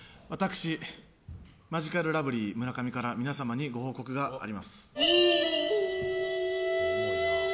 私、マヂカルラブリー村上から皆様にご報告があります。